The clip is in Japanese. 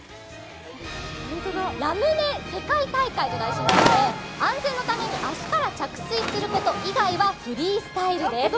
ラムネ世界大会と題しまして安全のために足から着水すること以外はフリースタイルです。